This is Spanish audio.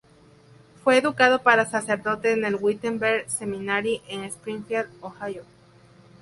Fue educado para sacerdote en el "Wittenberg Seminary" en Springfield, Ohio.